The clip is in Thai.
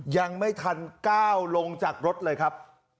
ยังไม่ทันก้าวลงจากรถเลยครับ